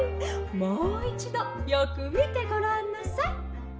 もういちどよくみてごらんなさい」。